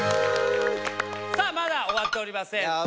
さあまだ終わっておりません。